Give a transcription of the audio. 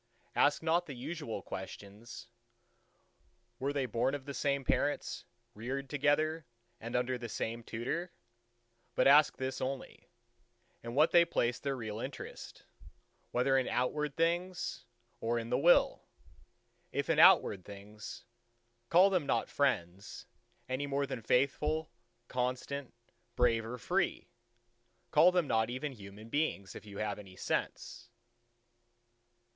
Ask not the usual questions, Were they born of the same parents, reared together, and under the same tutor; but ask this only, in what they place their real interest—whether in outward things or in the Will. If in outward things, call them not friends, any more than faithful, constant, brave or free: call them not even human beings, if you have any sense.